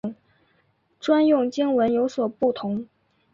专用经文有所不同。